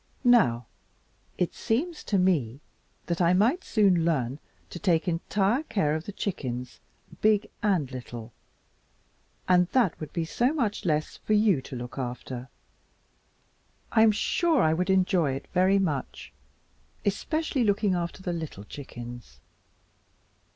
Now it seems to me that I might soon learn to take entire care of the chickens, big and little, and that would be so much less for you to look after. I'm sure I would enjoy it very much, especially the looking after the little chickens."